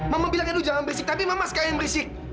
mama bilang edo jangan berisik tapi mama sekali yang berisik